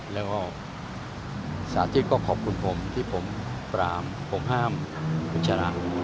แล้วก็สาธิตก็ขอบคุณผมที่ผมปรามผมห้ามคุณชาราหู